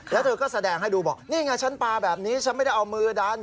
แล้วเธอก็แสดงให้ดูบอกนี่ไงฉันปลาแบบนี้ฉันไม่ได้เอามือดัน